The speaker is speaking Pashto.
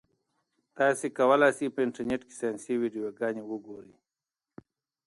تاسي کولای شئ په انټرنيټ کې ساینسي ویډیوګانې وګورئ.